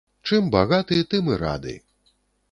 Чым багаты, тым і рады.